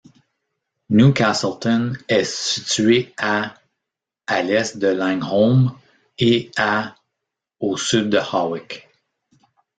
Newcastleton est situé à à l'est de Langholm et à au sud de Hawick.